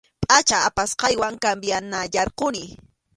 Pʼachan apasqaywan cambianayarquni.